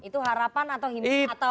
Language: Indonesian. itu harapan atau himpungan